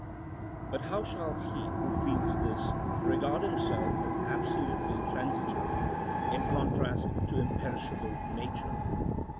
But how shall he who feels this, regard himself as absolutely transitory, in contrast to imperishable nature?